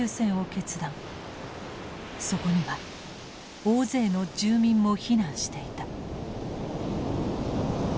そこには大勢の住民も避難していた。